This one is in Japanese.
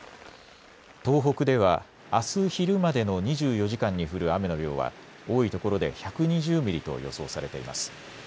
東北では、あす昼までの２４時間に降る雨の量は多いところで１２０ミリと予想されています。